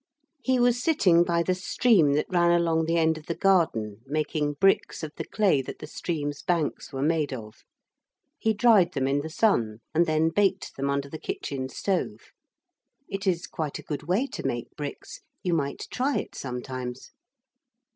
He was sitting by the stream that ran along the end of the garden, making bricks of the clay that the stream's banks were made of. He dried them in the sun, and then baked them under the kitchen stove. (It is quite a good way to make bricks you might try it sometimes.)